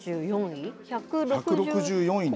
１６４位に。